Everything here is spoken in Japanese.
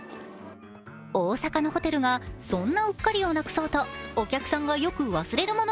大阪のホテルが、そんなうっかりをなくそうと、お客さんがよく忘れるもの